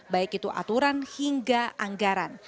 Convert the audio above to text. baik itu aturan hingga anggaran